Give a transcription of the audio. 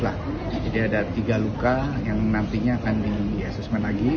jadi ada tiga luka yang nantinya akan di asusmen lagi